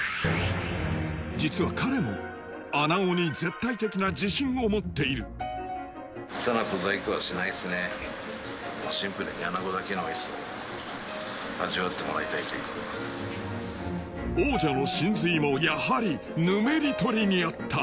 実は彼も穴子に絶対的な自信を持っている王者の真髄もやはり「ぬめり取り」にあった。